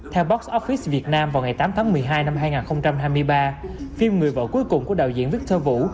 theo box office việt nam vào ngày tám tháng một mươi hai năm hai nghìn hai mươi ba phim người vợ cuối cùng của đạo diễn victor vu